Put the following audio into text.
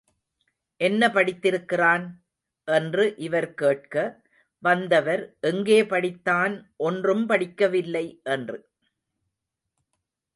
என்ன படித்திருக்கிறான்? —என்று இவர் கேட்க—வந்தவர் எங்கே படித்தான், ஒன்றும் படிக்கவில்லை என்று.